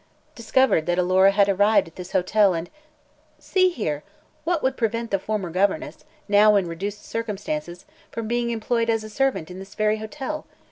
Discovered that Alora had arrived at this hotel, and See here! What would prevent the former governess, now in reduced circumstances, from being employed as a servant in this very hotel?